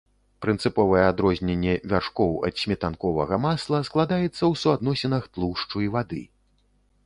Прынцыповае адрозненне вяршкоў ад сметанковага масла складаецца ў суадносінах тлушчу і вады.